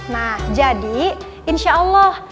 nah jadi insya allah